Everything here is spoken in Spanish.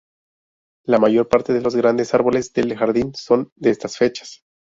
La mayor parte de los grandes árboles del jardín son de estas fechas.